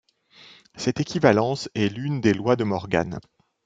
Cette équivalence est l'une des lois de De Morgan.